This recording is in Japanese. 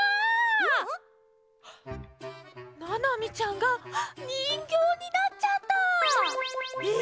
ななみちゃんがにんぎょうになっちゃった！え！？